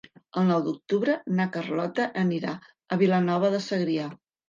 El nou d'octubre na Carlota anirà a Vilanova de Segrià.